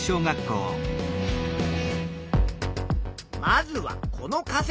まずはこの仮説。